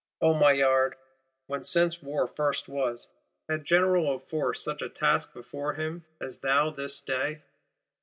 O Maillard, when, since War first was, had General of Force such a task before him, as thou this day?